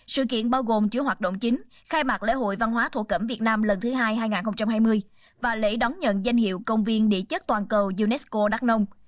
sự kiện bao gồm chứa hoạt động chính khai mạc lễ hội văn hóa thổ cẩm việt nam lần thứ hai hai nghìn hai mươi và lễ đón nhận danh hiệu công viên địa chất toàn cầu unesco đắk nông